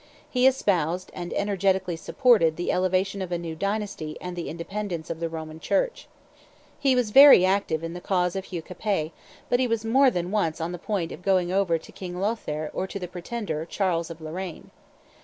He espoused and energetically supported the elevation of a new dynasty and the independence of the Roman Church. He was very active in the cause of Hugh Capet; but he was more than once on the point of going over to King Lothaire or to the pretender Charles of Lorraine.